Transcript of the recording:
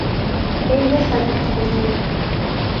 Ellas habían comido